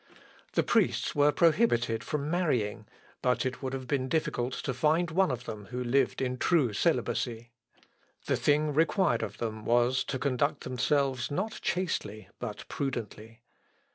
The priests were prohibited from marrying, but it would have been difficult to find one of them who lived in true celibacy. The thing required of them was, to conduct themselves not chastely, but prudently.